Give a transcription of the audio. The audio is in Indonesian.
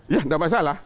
ya tidak masalah